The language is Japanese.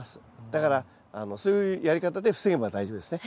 だからそういうやり方で防げば大丈夫ですね。